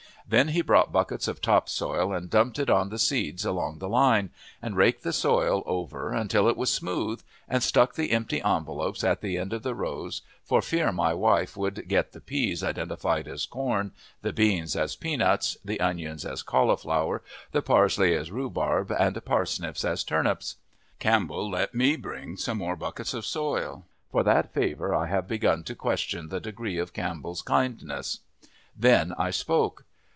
Then he brought buckets of top soil and dumped it on the seeds along the line, and raked the soil over until it was smooth, and stuck the empty envelopes at the end of the rows for fear my wife would get the peas identified as corn, the beans as peanuts, the onions as cauliflower, the parsley as rhubarb, the parsnips as turnips. Campbell let me bring some more buckets of soil. For that favor I have begun to question the degree of Campbell's kindness. Then I spoke.